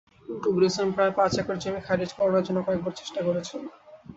কবির হোসেন প্রায় পাঁচ একর জমি খারিজ করানোর জন্য কয়েকবার চেষ্টা করেছেন।